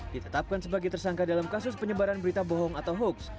ditetapkan sebagai tersangka dalam kasus penyebaran berita bohong atau hoax